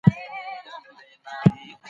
صنعتي ټولني منځ ته راغلې.